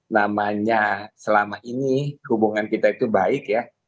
namanya selama ini hubungan kita itu baik ya